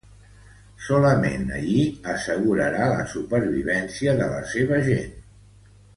Solament allí assegurarà la supervivència de la seva gent.